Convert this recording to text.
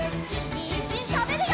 にんじんたべるよ！